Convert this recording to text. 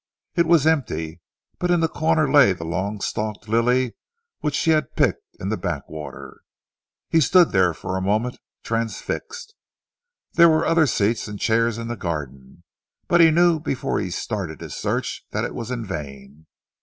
It was empty, but in the corner lay the long stalked lily which she had picked in the backwater. He stood there for a moment, transfixed. There were other seats and chairs in the garden, but he knew before he started his search that it was in vain.